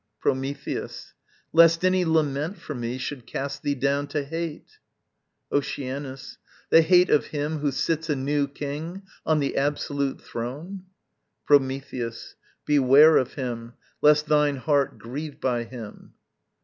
Prometheus. Lest any lament for me Should cast thee down to hate. Oceanus. The hate of him Who sits a new king on the absolute throne? Prometheus. Beware of him, lest thine heart grieve by him.